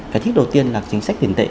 cái thích đầu tiên là chính sách tiền tệ